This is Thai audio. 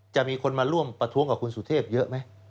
จะมีคนมาร่วมประท้วงกับคุณสุเทพเยอะไหม